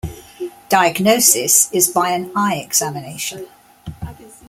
Diagnosis is by an eye examination.